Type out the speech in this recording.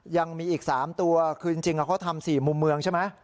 ยังมีอีก๓ตัวคือจริงเขาทำ๔มุมเมืองใช่ไหม